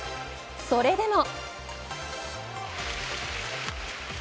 それでも。